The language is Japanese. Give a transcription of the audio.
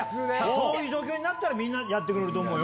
そういう状況になったら、みんなやってくれると思うよ。